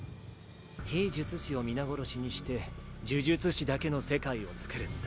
非術師を皆殺しにして呪術師だけの世界をつくるんだ。